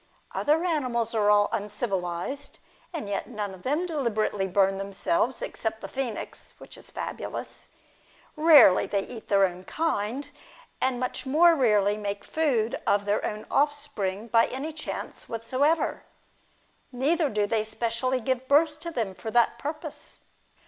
Other animals are all uncivilised, and yet none of them deliberately burn themselves, except the phoenix, which is fabulous ; rarely they eat their own kind ; and much more rarely make food of their own offspring by any chance whatever; neither do they specially give birth to them for that purpose.